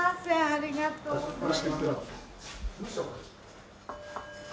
ありがとうございます。